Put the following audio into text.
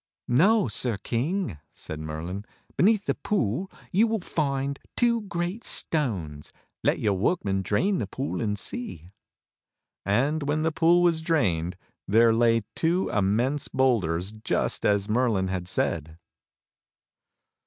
"No, Sir King," said Merlin. "Beneath the pool you will find two great stones. Let your workmen drain the pool and see." MERLIN AND HIS PROPHECIES 9 And when the pool was drained, there lay two immense boulders, just as Merlin had said.